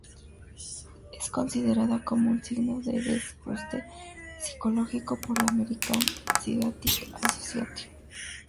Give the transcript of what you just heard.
Es considerada como un signo de desajuste psicológico por la American Psychiatric Association.